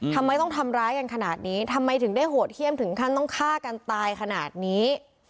ทำไมต้องทำร้ายกันขนาดนี้ทำไมถึงได้โหดเยี่ยมถึงขั้นต้องฆ่ากันตายขนาดนี้